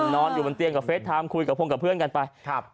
นอนอยู่บนเตียงกับเฟสไทม์คุยกับพงษ์กับเพื่อนกันไป